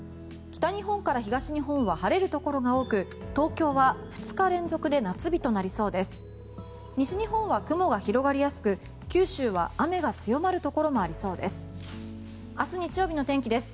北日本から東日本は晴れるところが多く東京は２日連続で夏日となりそうです。